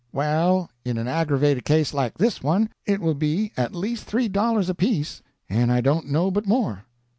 "Well, in an aggravated case like this one, it will be at least three dollars apiece, and I don't know but more."